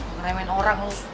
ngeremin orang lu